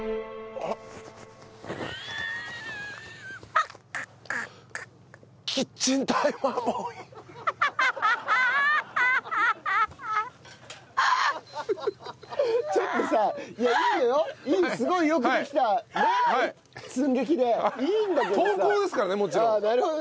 ああなるほどね。